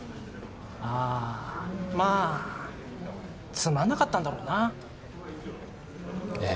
ああまあつまんなかったんだろうなええ